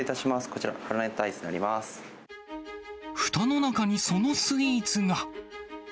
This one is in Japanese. こちら、ふたの中にそのスイーツが。